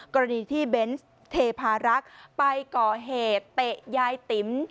กรณีที่เบนส์เทพารักษ์ไปก่อเหตุเตะยายติ๋ม